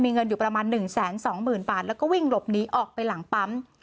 มีเงินอยู่ประมาณหนึ่งแสนสองหมื่นบาทแล้วก็วิ่งหลบหนีออกไปหลังปั๊ม